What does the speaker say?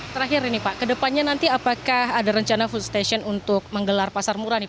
terakhir ini pak ke depannya nanti apakah ada rencana food station untuk menggelar pasar murah